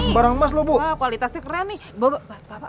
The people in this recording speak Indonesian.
la baik allahuma la baik